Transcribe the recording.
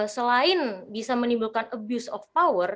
selain bisa menimbulkan abuse of power